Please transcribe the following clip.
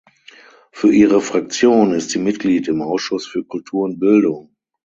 Für ihre Fraktion ist sie Mitglied im Ausschuss für Kultur und Bildung.